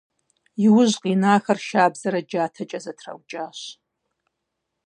Иужь къинахэр шабзэрэ джатэкӏэ зэтраукӏащ.